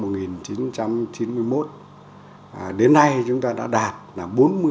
của rừng từ sớp chỉ hai mươi tám cái năm một nghìn chín trăm chín mươi một đến nay chúng ta đã đạt là bốn mươi tám mươi ba